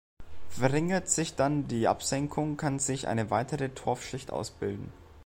Verringert sich dann die Absenkung, kann sich eine weitere Torfschicht ausbilden.